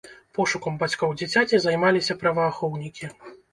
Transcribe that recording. Пошукам бацькоў дзіцяці займаліся праваахоўнікі.